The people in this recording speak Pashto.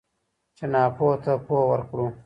چې ناپوه ته پوهه ورکړو.